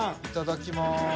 いただきます。